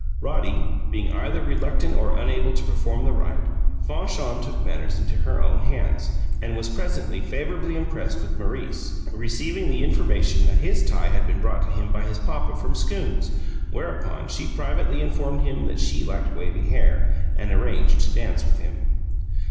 Roddy being either reluctant or unable to perform the rite, Fanchon took matters into her own hands, and was presently favourably impressed with Maurice, receiving the information that his tie had been brought to him by his papa from Skoone's, whereupon she privately informed him that she liked wavy hair, and arranged to dance with him.